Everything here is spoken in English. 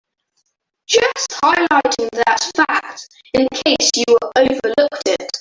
Just highlighting that fact in case you overlooked it.